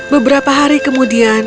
beberapa hari kemudian